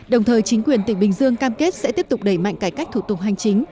đồng thời chính quyền tỉnh bình dương cam kết sẽ tiếp tục đẩy mạnh cải cách thủ tục hành chính